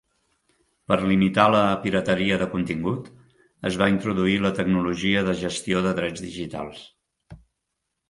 Per limitar la pirateria de contingut, es va introduir la tecnologia de gestió de drets digitals.